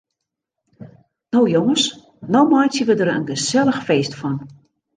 No jonges, no meitsje we der in gesellich feest fan.